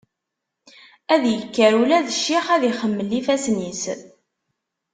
Ad yekker ula d ccix ad ixemmel ifassen-is.